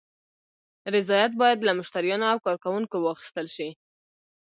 رضایت باید له مشتریانو او کارکوونکو واخیستل شي.